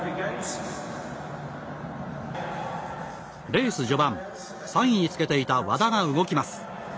レース序盤３位につけていた和田が動きます。